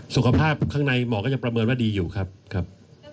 สุขภาพข้างใุ้หมอก็จะประเมินว่าดีอยู่ครับ